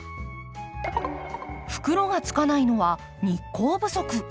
袋がつかないのは日光不足。